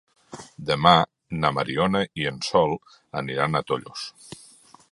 Demà na Mariona i en Sol aniran a Tollos.